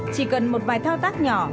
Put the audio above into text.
chỉ cần một vài thao tác nhỏ